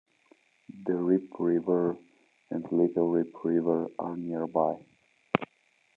The Rib River and Little Rib River are nearby.